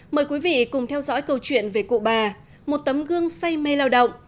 mời quý vị cùng theo dõi câu chuyện về cụ bà một tấm gương say mê lao động